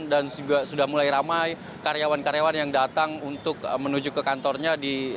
dan juga sudah mulai ramai karyawan karyawan yang datang untuk menuju ke kantornya